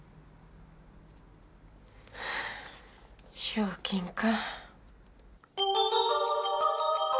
賞金か。